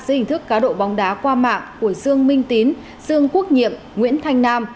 giữa hình thức cá độ bóng đá qua mạng của sương minh tín sương quốc nhiệm nguyễn thanh nam